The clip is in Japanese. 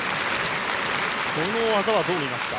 この技はどう見ますか。